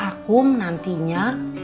masa juga akum nantinya